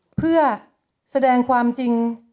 เพื่อแสดงความจริง